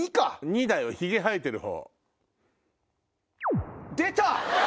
２だよヒゲ生えてる方。